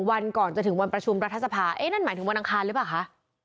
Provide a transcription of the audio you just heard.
วันก่อนจะถึงวันประชุมรัฐสภานั่นหมายถึงวันอังคารหรือเปล่าคะ